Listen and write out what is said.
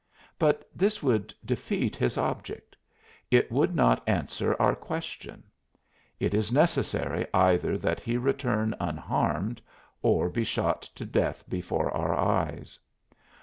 But this would defeat his object. It would not answer our question; it is necessary either that he return unharmed or be shot to death before our eyes.